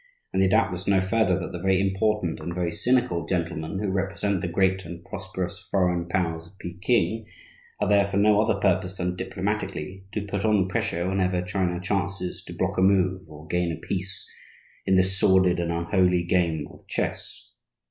And they doubtless know further that the very important and very cynical gentlemen who represent the great and prosperous foreign powers at Peking, are there for no other purpose than diplomatically to put on the pressure whenever China chances to block a move or gain a piece in this sordid and unholy game of chess.